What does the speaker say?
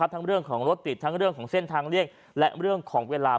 ทั้งเรื่องของรถติดทั้งเรื่องของเส้นทางเลี่ยงและเรื่องของเวลา